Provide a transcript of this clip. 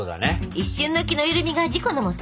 一瞬の気の緩みが事故のもと。